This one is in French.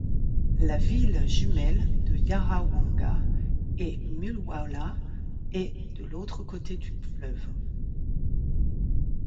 La ville jumelle de Yarrawonga est Mulwala est de l'autre côté du fleuve.